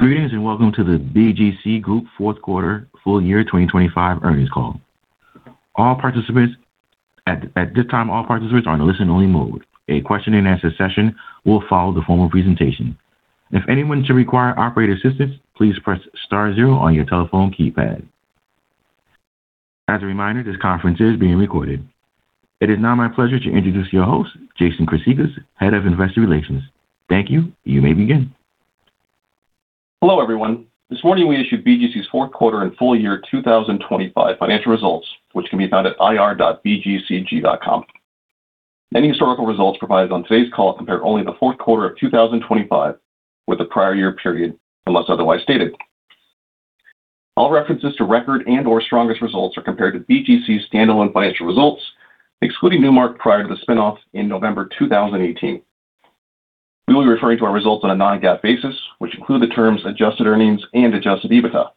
Greetings, and welcome to the BGC Group fourth quarter, full year 2025 earnings call. All participants. At this time, all participants are in a listen-only mode. A question-and-answer session will follow the formal presentation. If anyone should require operator assistance, please press star zero on your telephone keypad. As a reminder, this conference is being recorded. It is now my pleasure to introduce your host, Jason Chryssicas, Head of Investor Relations. Thank you. You may begin. Hello, everyone. This morning, we issued BGC's fourth quarter and full year 2025 financial results, which can be found at ir.bgcg.com. Any historical results provided on today's call compare only the fourth quarter of 2025 with the prior year period, unless otherwise stated. All references to record and/or strongest results are compared to BGC's standalone financial results, excluding Newmark prior to the spin-off in November 2018. We will be referring to our results on a non-GAAP basis, which include the terms Adjusted Earnings and Adjusted EBITDA.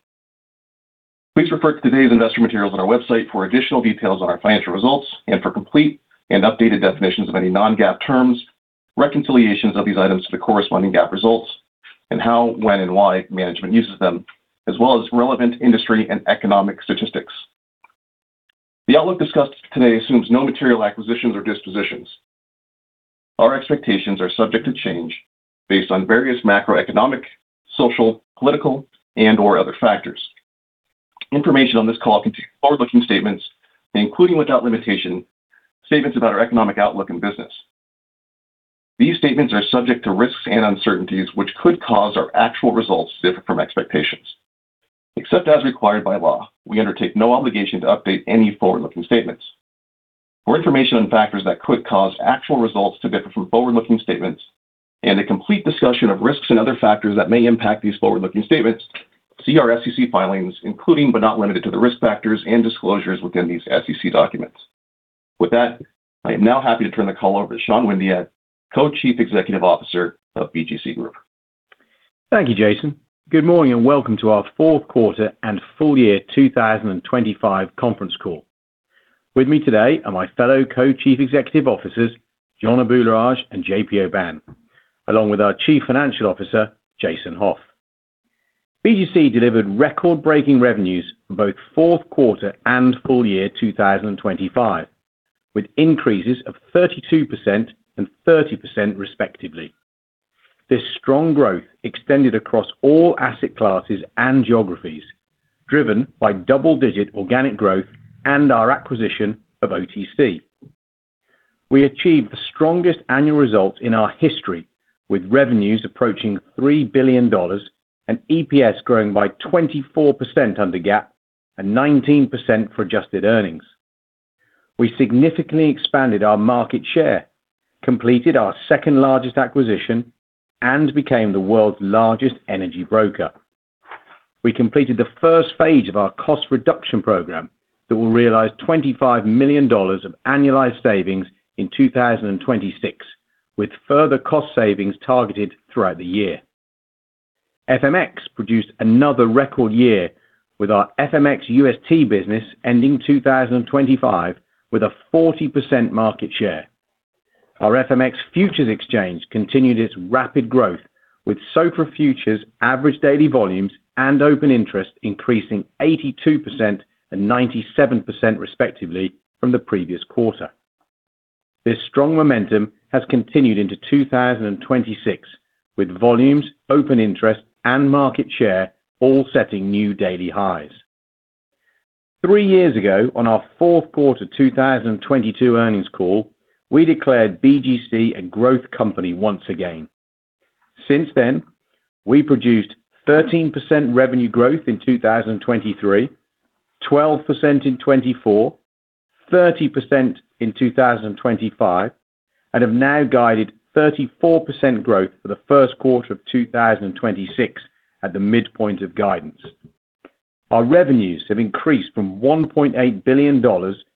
Please refer to today's investor materials on our website for additional details on our financial results and for complete and updated definitions of any non-GAAP terms, reconciliations of these items to the corresponding GAAP results, and how, when, and why management uses them, as well as relevant industry and economic statistics. The outlook discussed today assumes no material acquisitions or dispositions. Our expectations are subject to change based on various macroeconomic, social, political, and/or other factors. Information on this call contains forward-looking statements, including without limitation, statements about our economic outlook and business. These statements are subject to risks and uncertainties, which could cause our actual results to differ from expectations. Except as required by law, we undertake no obligation to update any forward-looking statements. For information on factors that could cause actual results to differ from forward-looking statements and a complete discussion of risks and other factors that may impact these forward-looking statements, see our SEC filings, including but not limited to, the risk factors and disclosures within these SEC documents. With that, I am now happy to turn the call over to Sean Windeatt, Co-Chief Executive Officer of BGC Group. Thank you, Jason. Good morning, and welcome to our fourth quarter and full year 2025 conference call. With me today are my fellow Co-Chief Executive Officers, John Abularrage and JP Aubin, along with our Chief Financial Officer, Jason Hauf. BGC delivered record-breaking revenues for both fourth quarter and full year 2025, with increases of 32% and 30%, respectively. This strong growth extended across all asset classes and geographies, driven by double-digit organic growth and our acquisition of OTC. We achieved the strongest annual results in our history, with revenues approaching $3 billion and EPS growing by 24% under GAAP and 19% for adjusted earnings. We significantly expanded our market share, completed our second-largest acquisition, and became the world's largest energy broker. We completed the first phase of our cost reduction program that will realize $25 million of annualized savings in 2026, with further cost savings targeted throughout the year. FMX produced another record year with our FMX UST business ending 2025 with a 40% market share. Our FMX Futures Exchange continued its rapid growth, with SOFR futures average daily volumes and open interest increasing 82% and 97%, respectively, from the previous quarter. This strong momentum has continued into 2026, with volumes, open interest, and market share all setting new daily highs. Three years ago, on our fourth quarter 2022 earnings call, we declared BGC a growth company once again. Since then, we produced 13% revenue growth in 2023, 12% in 2024, 30% in 2025, and have now guided 34% growth for the first quarter of 2026 at the midpoint of guidance. Our revenues have increased from $1.8 billion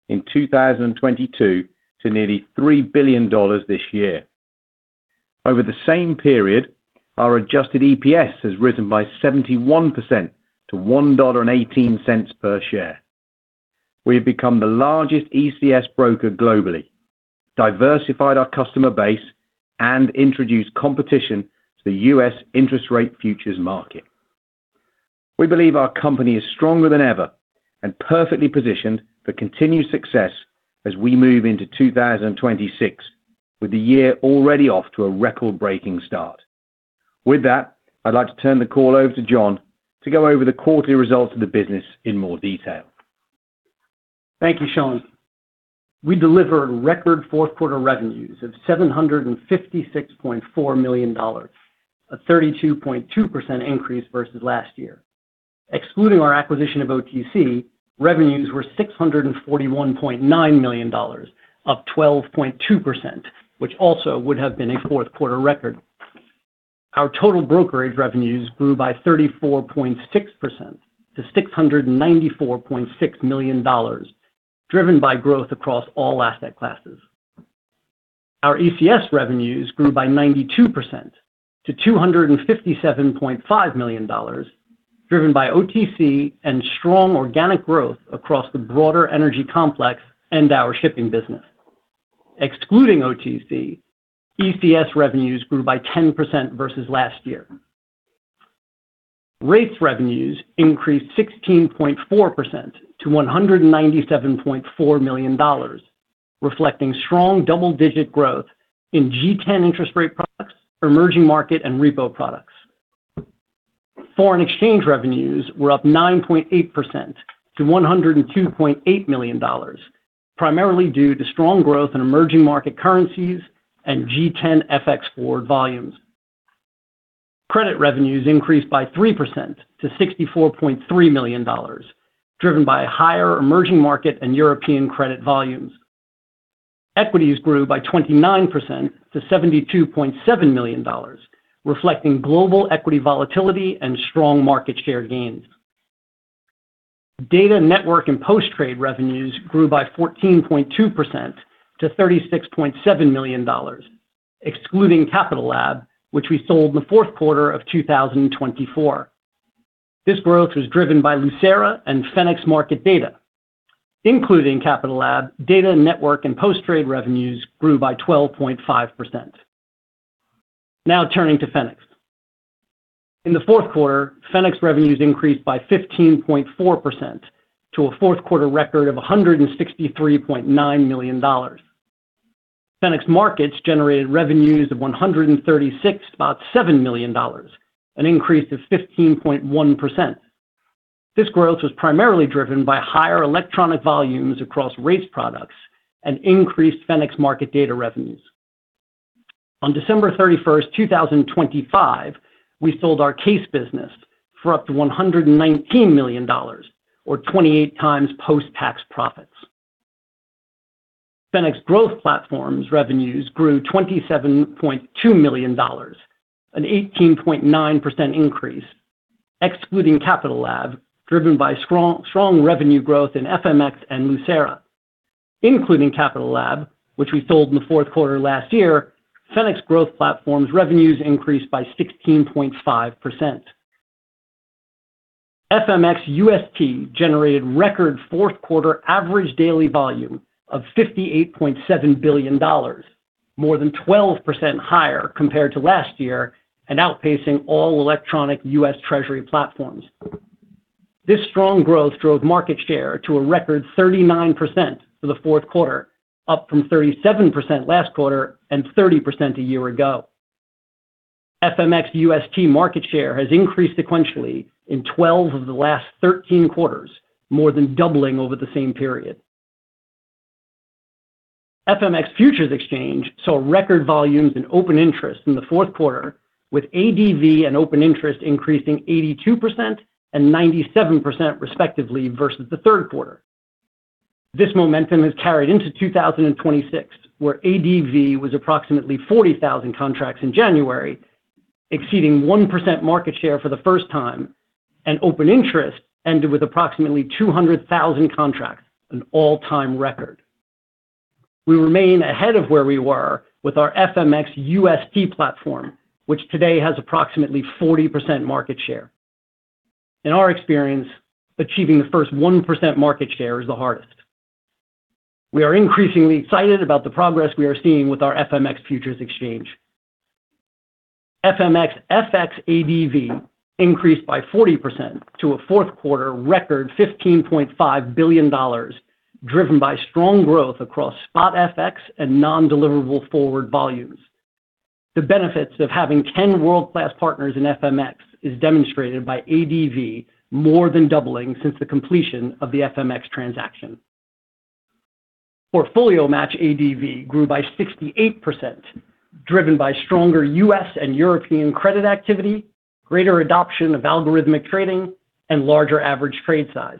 in 2022 to nearly $3 billion this year. Over the same period, our Adjusted EPS has risen by 71% to $1.18 per share. We have become the largest ECS broker globally, diversified our customer base, and introduced competition to the U.S. interest rate futures market. We believe our company is stronger than ever and perfectly positioned for continued success as we move into 2026, with the year already off to a record-breaking start. With that, I'd like to turn the call over to John to go over the quarterly results of the business in more detail. Thank you, Sean. We delivered record fourth quarter revenues of $756.4 million, a 32.2% increase versus last year. Excluding our acquisition of OTC, revenues were $641.9 million, up 12.2%, which also would have been a fourth quarter record. Our total brokerage revenues grew by 34.6% to $694.6 million, driven by growth across all asset classes. Our ECS revenues grew by 92% to $257.5 million, driven by OTC and strong organic growth across the broader energy complex and our shipping business... excluding OTC, ECS revenues grew by 10% versus last year. Rates revenues increased 16.4% to $197.4 million, reflecting strong double-digit growth in G-10 interest rate products, emerging market, and repo products. Foreign exchange revenues were up 9.8% to $102.8 million, primarily due to strong growth in emerging market currencies and G-10 FX forward volumes. Credit revenues increased by 3% to $64.3 million, driven by higher emerging market and European credit volumes. Equities grew by 29% to $72.7 million, reflecting global equity volatility and strong market share gains. Data, network, and post-trade revenues grew by 14.2% to $36.7 million, excluding Capital Lab, which we sold in the fourth quarter of 2024. This growth was driven by Lucera and Fenics Market data. Including Capital Lab, data network and post-trade revenues grew by 12.5%. Now, turning to Fenics. In the fourth quarter, Fenics revenues increased by 15.4% to a fourth quarter record of $163.9 million. Fenics Markets generated revenues of $136.7 million, an increase of 15.1%. This growth was primarily driven by higher electronic volumes across rates products and increased Fenics Market Data revenues. On December 31, 2025, we sold our KACE business for up to $119 million, or 28 times post-tax profits. Fenics Growth Platforms revenues grew $27.2 million, an 18.9% increase, excluding Capital Lab, driven by strong revenue growth in FMX and Lucera. Including Capital Lab, which we sold in the fourth quarter last year, Fenics Growth Platforms' revenues increased by 16.5%. FMX UST generated record fourth quarter average daily volume of $58.7 billion, more than 12% higher compared to last year, and outpacing all electronic US Treasury platforms. This strong growth drove market share to a record 39% for the fourth quarter, up from 37% last quarter and 30% a year ago. FMX UST market share has increased sequentially in 12 of the last 13 quarters, more than doubling over the same period. FMX Futures Exchange saw record volumes in open interest in the fourth quarter, with ADV and open interest increasing 82% and 97% respectively versus the third quarter. This momentum has carried into 2026, where ADV was approximately 40,000 contracts in January, exceeding 1% market share for the first time, and open interest ended with approximately 200,000 contracts, an all-time record. We remain ahead of where we were with our FMX UST platform, which today has approximately 40% market share. In our experience, achieving the first 1% market share is the hardest. We are increasingly excited about the progress we are seeing with our FMX Futures Exchange. FMX FX ADV increased by 40% to a fourth quarter record, $15.5 billion, driven by strong growth across spot FX and non-deliverable forward volumes. The benefits of having 10 world-class partners in FMX is demonstrated by ADV, more than doubling since the completion of the FMX transaction. Portfolio Match ADV grew by 68%, driven by stronger U.S. and European credit activity, greater adoption of algorithmic trading, and larger average trade size.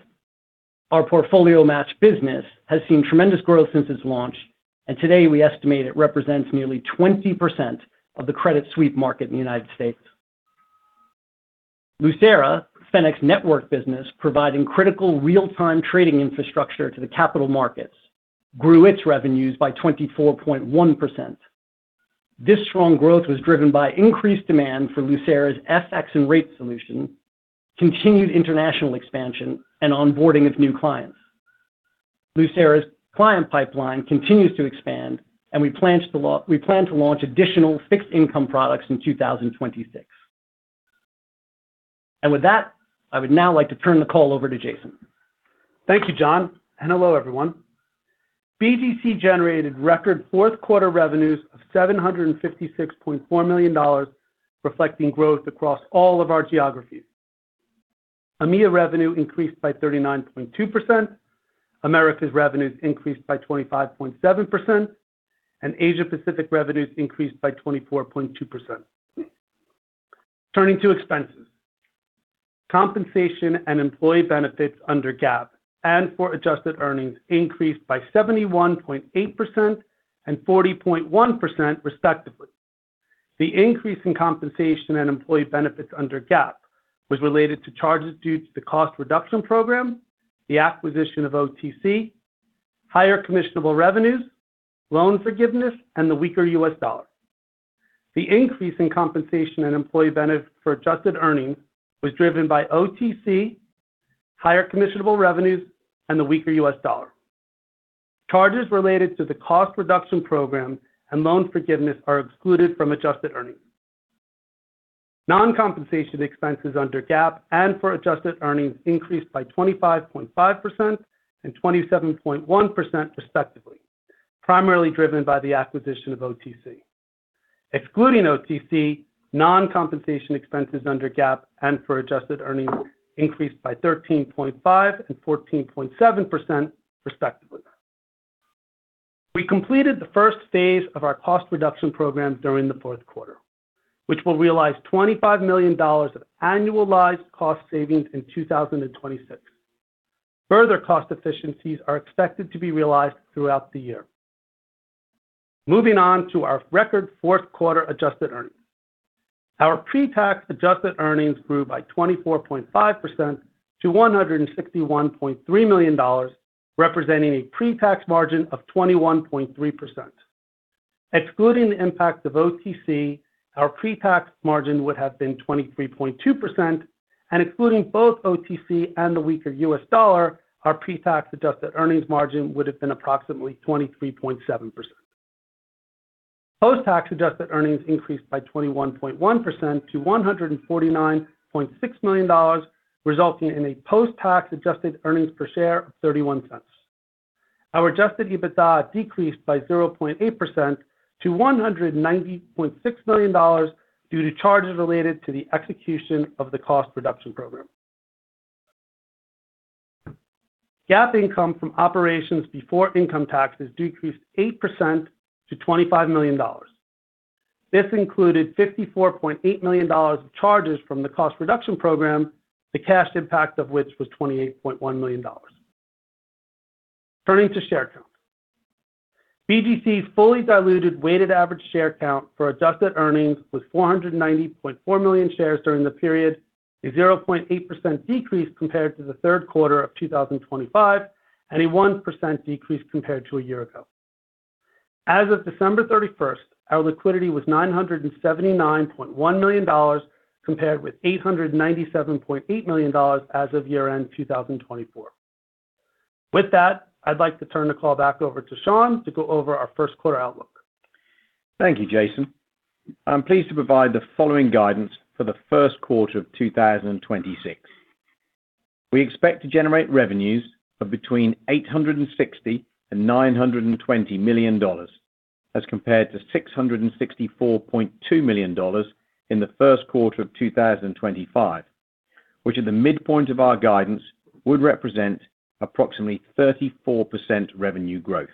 Our Portfolio Match business has seen tremendous growth since its launch, and today we estimate it represents nearly 20% of the credit sweep market in the United States. Lucera, Fenics network business, providing critical real-time trading infrastructure to the capital markets, grew its revenues by 24.1%. This strong growth was driven by increased demand for Lucera's FX and rate solution, continued international expansion, and onboarding of new clients. Lucera's client pipeline continues to expand, and we plan to launch additional fixed income products in 2026. And with that, I would now like to turn the call over to Jason. Thank you, John, and hello, everyone. BGC generated record fourth quarter revenues of $756.4 million, reflecting growth across all of our geographies. EMEA revenue increased by 39.2%, Americas revenues increased by 25.7%, and Asia Pacific revenues increased by 24.2%. Turning to expenses. Compensation and employee benefits under GAAP, and for adjusted earnings increased by 71.8% and 40.1%, respectively. The increase in compensation and employee benefits under GAAP was related to charges due to the cost reduction program, the acquisition of OTC, higher commissionable revenues, loan forgiveness, and the weaker US dollar. The increase in compensation and employee benefits for adjusted earnings was driven by OTC, higher commissionable revenues, and the weaker US dollar. Charges related to the cost reduction program and loan forgiveness are excluded from adjusted earnings. Non-compensation expenses under GAAP and for adjusted earnings increased by 25.5% and 27.1%, respectively, primarily driven by the acquisition of OTC. Excluding OTC, non-compensation expenses under GAAP and for adjusted earnings increased by 13.5 and 14.7%, respectively. We completed the first phase of our cost reduction program during the fourth quarter, which will realize $25 million of annualized cost savings in 2026. Further cost efficiencies are expected to be realized throughout the year. Moving on to our record fourth quarter adjusted earnings. Our pre-tax adjusted earnings grew by 24.5% to $161.3 million, representing a pre-tax margin of 21.3%. Excluding the impact of OTC, our pre-tax margin would have been 23.2%, and excluding both OTC and the weaker US dollar, our pre-tax adjusted earnings margin would have been approximately 23.7%. Post-tax adjusted earnings increased by 21.1% to $149.6 million, resulting in a post-tax adjusted earnings per share of $0.31. Our adjusted EBITDA decreased by 0.8% to $190.6 million due to charges related to the execution of the cost reduction program. GAAP income from operations before income taxes decreased 8% to $25 million. This included $54.8 million of charges from the cost reduction program, the cash impact of which was $28.1 million. Turning to share count. BGC's fully diluted weighted average share count for adjusted earnings was 490.4 million shares during the period, a 0.8% decrease compared to the third quarter of 2025, and a 1% decrease compared to a year ago. As of December 31, our liquidity was $979.1 million, compared with $897.8 million as of year-end 2024. With that, I'd like to turn the call back over to Sean to go over our first quarter outlook. Thank you, Jason. I'm pleased to provide the following guidance for the first quarter of 2026. We expect to generate revenues of between $860 million and $920 million, as compared to $664.2 million in the first quarter of 2025, which at the midpoint of our guidance, would represent approximately 34% revenue growth.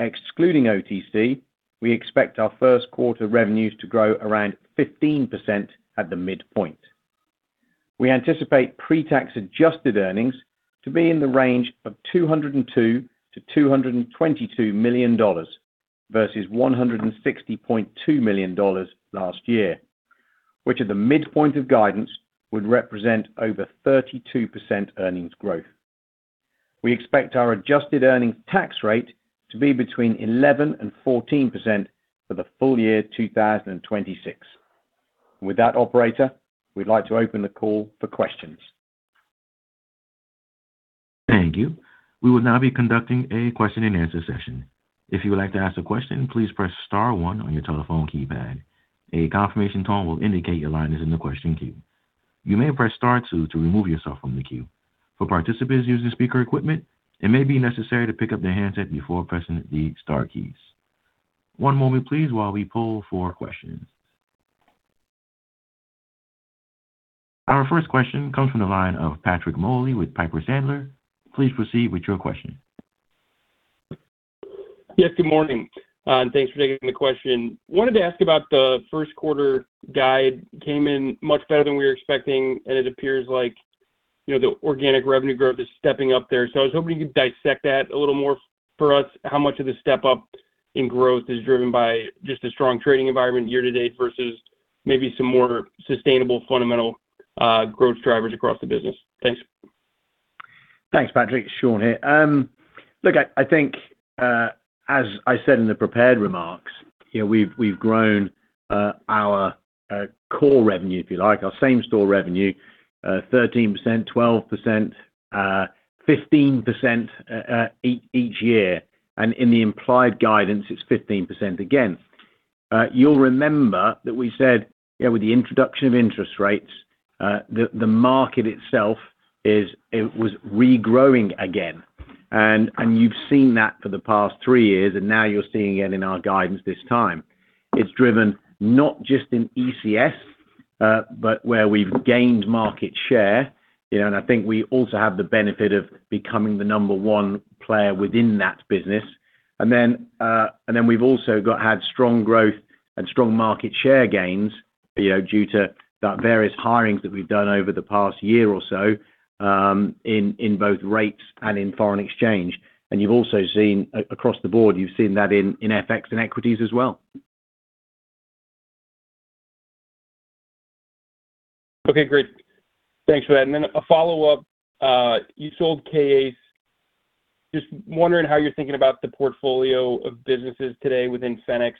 Excluding OTC, we expect our first quarter revenues to grow around 15% at the midpoint. We anticipate pre-tax Adjusted Earnings to be in the range of $202 million-$222 million versus $160.2 million last year, which at the midpoint of guidance would represent over 32% earnings growth. We expect our adjusted earnings tax rate to be between 11% and 14% for the full year 2026. With that, operator, we'd like to open the call for questions. Thank you. We will now be conducting a question-and-answer session. If you would like to ask a question, please press star one on your telephone keypad. A confirmation tone will indicate your line is in the question queue. You may press star two to remove yourself from the queue. For participants using speaker equipment, it may be necessary to pick up the handset before pressing the star keys. One moment, please, while we pull for questions. Our first question comes from the line of Patrick Moley with Piper Sandler. Please proceed with your question. Yes, good morning, and thanks for taking the question. Wanted to ask about the first quarter guide came in much better than we were expecting, and it appears like, you know, the organic revenue growth is stepping up there. So I was hoping you could dissect that a little more for us. How much of the step-up in growth is driven by just a strong trading environment year to date versus maybe some more sustainable, fundamental, growth drivers across the business? Thanks. Thanks, Patrick. Sean here. Look, I, I think, as I said in the prepared remarks, you know, we've, we've grown, our, core revenue, if you like, our same-store revenue, 13%, 12%, 15% each year, and in the implied guidance, it's 15% again. You'll remember that we said, yeah, with the introduction of interest rates, the, the market itself is-- it was regrowing again. And, and you've seen that for the past three years, and now you're seeing it in our guidance this time. It's driven not just in ECS, but where we've gained market share, you know, and I think we also have the benefit of becoming the number one player within that business. And then we've also had strong growth and strong market share gains, you know, due to the various hirings that we've done over the past year or so, in both rates and in foreign exchange. And you've also seen across the board, you've seen that in FX and equities as well.... Okay, great. Thanks for that. And then a follow-up. You sold KACE. Just wondering how you're thinking about the portfolio of businesses today within Fenics.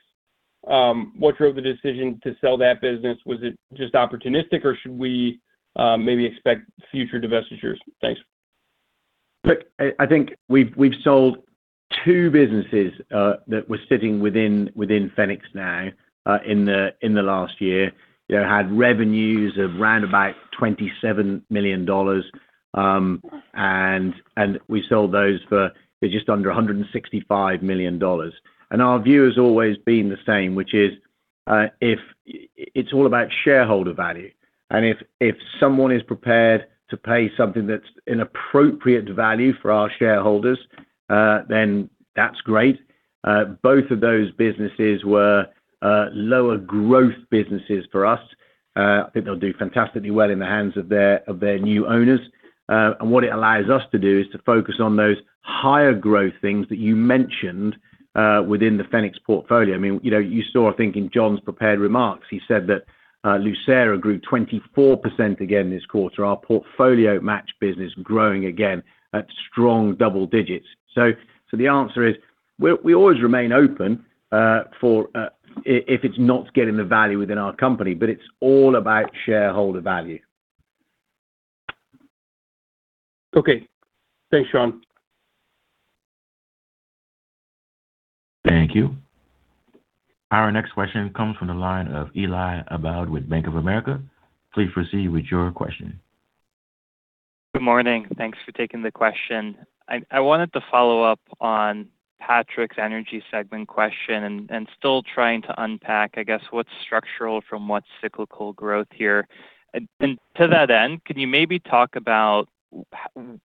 What drove the decision to sell that business? Was it just opportunistic, or should we maybe expect future divestitures? Thanks. Look, I think we've sold two businesses that were sitting within Fenics now in the last year. They had revenues of round about $27 million, and we sold those for just under $165 million. And our view has always been the same, which is, it's all about shareholder value. And if someone is prepared to pay something that's an appropriate value for our shareholders, then that's great. Both of those businesses were lower growth businesses for us. I think they'll do fantastically well in the hands of their new owners. And what it allows us to do is to focus on those higher growth things that you mentioned within the Fenics portfolio. I mean, you know, you saw, I think, in John's prepared remarks, he said that, Lucera grew 24% again this quarter. Our Portfolio Match business growing again at strong double digits. So, the answer is, we always remain open for if it's not getting the value within our company, but it's all about shareholder value. Okay. Thanks, Sean. Thank you. Our next question comes from the line of Eli Abboud with Bank of America. Please proceed with your question. Good morning. Thanks for taking the question. I wanted to follow up on Patrick's energy segment question and still trying to unpack, I guess, what's structural from what's cyclical growth here. And to that end, can you maybe talk about the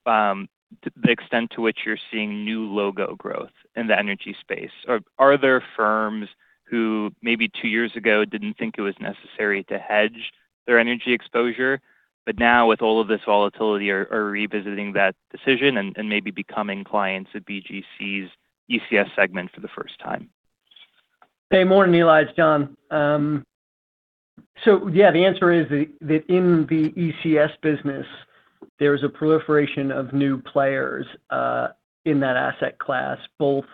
extent to which you're seeing new logo growth in the energy space? Or are there firms who maybe two years ago didn't think it was necessary to hedge their energy exposure, but now with all of this volatility, are revisiting that decision and maybe becoming clients of BGC's ECS segment for the first time? Hey, morning, Eli. It's John. So yeah, the answer is that, that in the ECS business, there is a proliferation of new players in that asset class, both,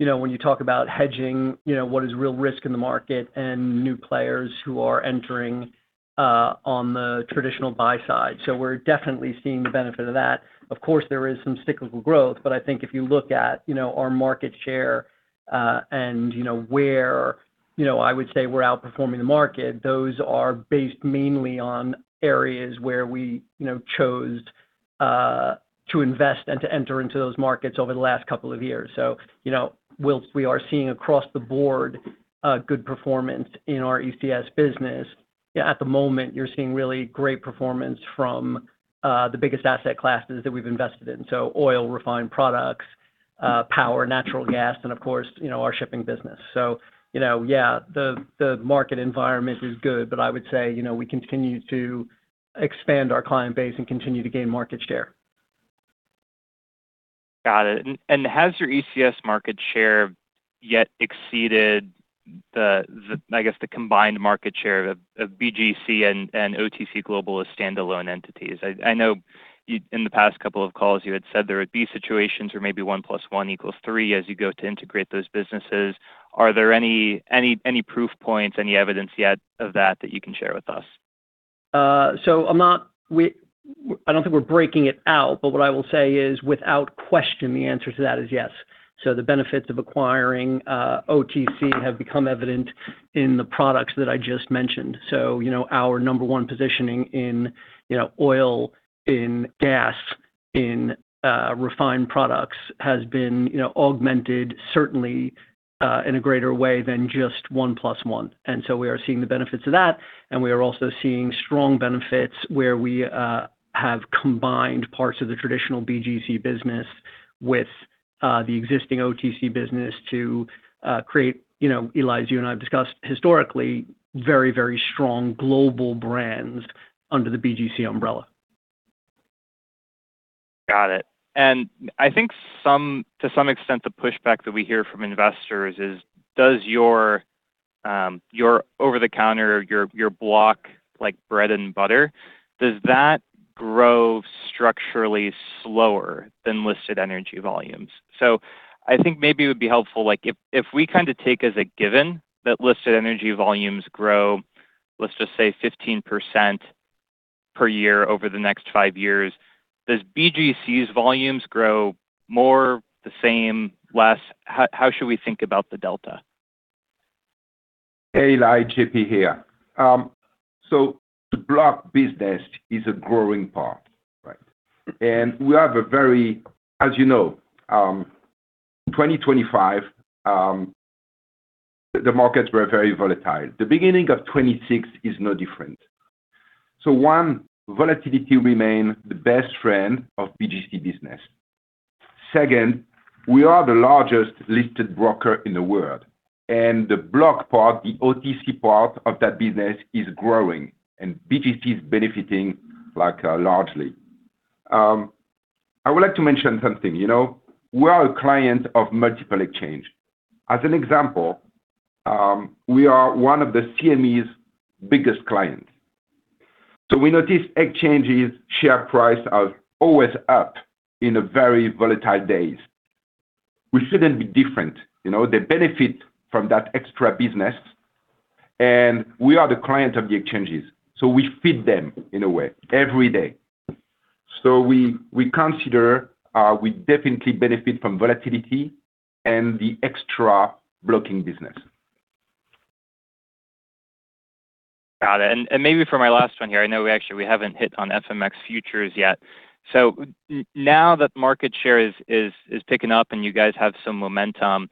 you know, when you talk about hedging, you know, what is real risk in the market and new players who are entering on the traditional buy side. So we're definitely seeing the benefit of that. Of course, there is some cyclical growth, but I think if you look at, you know, our market share and you know, where, you know, I would say we're outperforming the market, those are based mainly on areas where we, you know, chose to invest and to enter into those markets over the last couple of years. So, you know, we are seeing across the board good performance in our ECS business. At the moment, you're seeing really great performance from the biggest asset classes that we've invested in. So oil refined products, power, natural gas, and of course, you know, our shipping business. So, you know, yeah, the market environment is good, but I would say, you know, we continue to expand our client base and continue to gain market share. Got it. And has your ECS market share yet exceeded the, I guess, the combined market share of BGC and OTC Global as standalone entities? I know you in the past couple of calls, you had said there would be situations where maybe one plus one equals three, as you go to integrate those businesses. Are there any proof points, any evidence yet of that you can share with us? So, I don't think we're breaking it out, but what I will say is, without question, the answer to that is yes. So the benefits of acquiring OTC have become evident in the products that I just mentioned. So, you know, our number one positioning in, you know, oil, in gas, in refined products, has been, you know, augmented certainly in a greater way than just one plus one. And so we are seeing the benefits of that, and we are also seeing strong benefits where we have combined parts of the traditional BGC business with the existing OTC business to create, you know, Eli, you and I have discussed historically, very, very strong global brands under the BGC umbrella. Got it. I think to some extent, the pushback that we hear from investors is, does your your over-the-counter, your your block, like bread and butter, does that grow structurally slower than listed energy volumes? I think maybe it would be helpful, like, if we kind of take as a given that listed energy volumes grow, let's just say 15% per year over the next five years, does BGC's volumes grow more, the same, less? How should we think about the delta? Hey, Eli, JP here. So the block business is a growing part, right? And we have a very. As you know, 2025, the markets were very volatile. The beginning of 2026 is no different. So one, volatility remain the best friend of BGC business. Second, we are the largest listed broker in the world, and the block part, the OTC part of that business is growing, and BGC is benefiting, like, largely. I would like to mention something. You know, we are a client of multiple exchange. As an example, we are one of the CME's biggest clients. So we notice exchanges share price are always up in a very volatile days. We shouldn't be different, you know? They benefit from that extra business, and we are the client of the exchanges, so we feed them, in a way, every day. So we consider, we definitely benefit from volatility and the extra broking business. Got it. And maybe for my last one here, I know we actually haven't hit on FMX futures yet. So now that market share is picking up and you guys have some momentum,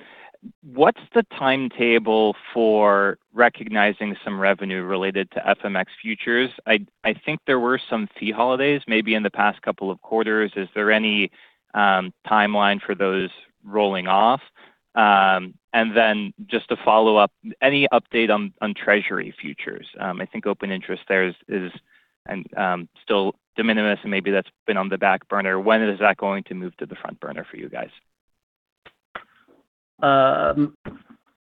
what's the timetable for recognizing some revenue related to FMX futures? I think there were some fee holidays maybe in the past couple of quarters. Is there any timeline for those rolling off? And then just to follow up, any update on treasury futures? I think open interest there is still de minimis, and maybe that's been on the back burner. When is that going to move to the front burner for you guys?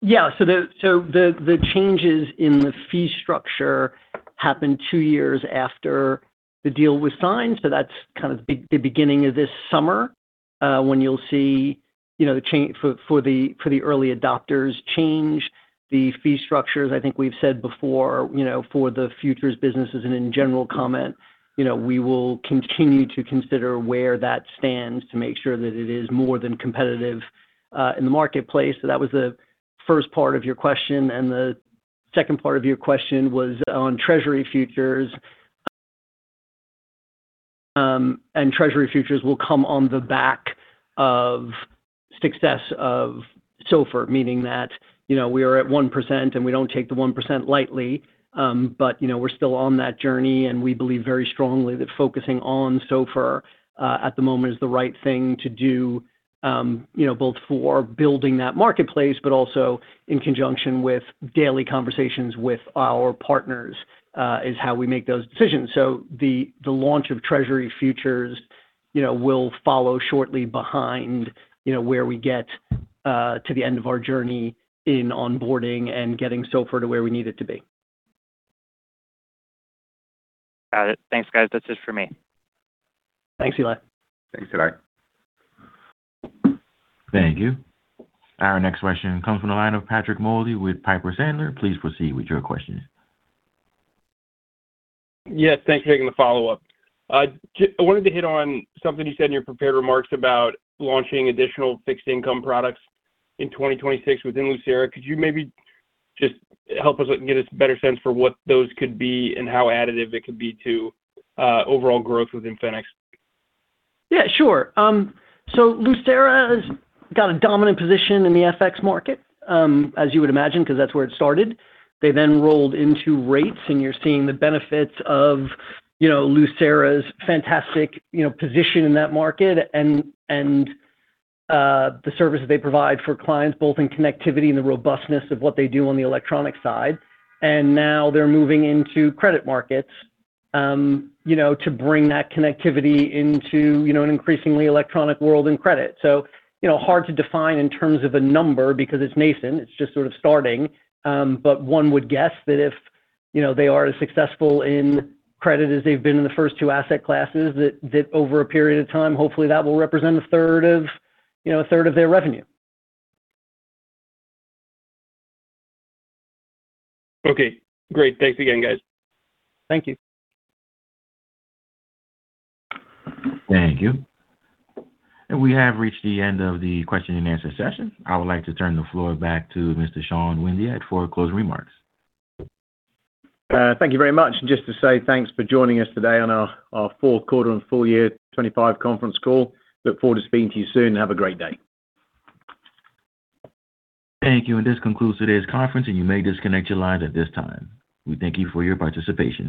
Yeah. So the changes in the fee structure happened two years after the deal was signed, so that's kind of the beginning of this summer, when you'll see, you know, the change for the early adopters change the fee structures. I think we've said before, you know, for the futures businesses and in general comment, you know, we will continue to consider where that stands to make sure that it is more than competitive in the marketplace. So that was the first part of your question, and the second part of your question was on treasury futures. And treasury futures will come on the back of success of SOFR, meaning that, you know, we are at 1%, and we don't take the 1% lightly. But, you know, we're still on that journey, and we believe very strongly that focusing on SOFR at the moment is the right thing to do, you know, both for building that marketplace, but also in conjunction with daily conversations with our partners is how we make those decisions. So the launch of Treasury futures, you know, will follow shortly behind, you know, where we get to the end of our journey in onboarding and getting SOFR to where we need it to be. Got it. Thanks, guys. That's it for me. Thanks, Eli. Thanks, Eli. Thank you. Our next question comes from the line of Patrick Moley with Piper Sandler. Please proceed with your questions. Yes, thanks for taking the follow-up. I wanted to hit on something you said in your prepared remarks about launching additional fixed income products in 2026 within Lucera. Could you maybe just help us get a better sense for what those could be and how additive they could be to overall growth within Fenics? Yeah, sure. So Lucera has got a dominant position in the FX market, as you would imagine, because that's where it started. They then rolled into rates, and you're seeing the benefits of, you know, Lucera's fantastic, you know, position in that market, and the services they provide for clients, both in connectivity and the robustness of what they do on the electronic side. And now they're moving into credit markets, you know, to bring that connectivity into, you know, an increasingly electronic world in credit. So, you know, hard to define in terms of a number because it's nascent, it's just sort of starting. But one would guess that if, you know, they are as successful in credit as they've been in the first two asset classes, that, that over a period of time, hopefully, that will represent a third of, you know, a third of their revenue. Okay, great. Thanks again, guys. Thank you. Thank you. We have reached the end of the question and answer session. I would like to turn the floor back to Mr. Sean Windeatt for closing remarks. Thank you very much, and just to say thanks for joining us today on our fourth quarter and full year 2025 conference call. Look forward to speaking to you soon. Have a great day. Thank you. This concludes today's conference, and you may disconnect your lines at this time. We thank you for your participation.